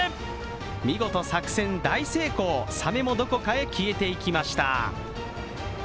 見事、作戦大成功、サメもどこかへ消えていきました。